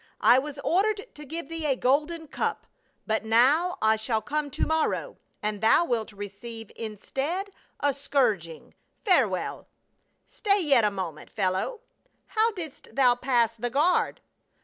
I was ordered to giv^e thee a golden cup, but now I shall come to morrow, and thou wilt receive, instead, a scourging. Farewell." " Stay yet a moment, fellow ; how didst thou pass the guard